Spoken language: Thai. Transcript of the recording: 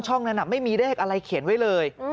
นั้นไม่มีเลขอะไรเขียนไว้เลย